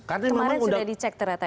kemarin sudah dicek terata